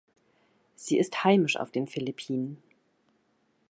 Sie ist heimisch auf den Philippinen.